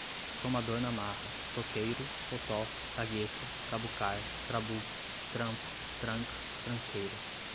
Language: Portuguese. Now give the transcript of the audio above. tomador na marra, toqueiro, totó, cagueta, trabucar, trabuco, trampo, tranca, tranqueira